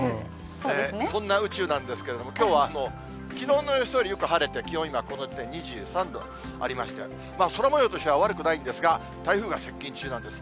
こんな宇宙なんですけれども、きょうはもう、きのうの予想よりよく晴れて、気温、今、この時点で２３度ありまして、空もようとしては悪くないんですが、台風が接近中なんです。